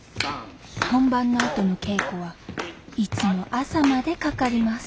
本番のあとの稽古はいつも朝までかかります５６７８。